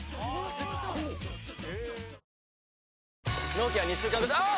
納期は２週間後あぁ！！